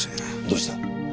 どうした？